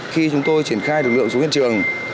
khi chúng tôi triển khai lực lượng xuống hiện trường